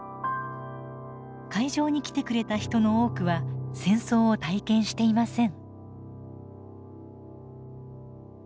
会場に来てくれた人の多くは戦争を体験していません。